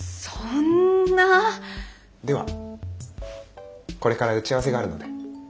ではこれから打ち合わせがあるので。